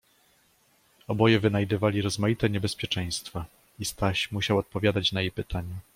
Oboje wynajdywali rozmaite niebezpieczeństwa i Staś musiał odpowiadać na jej pytania.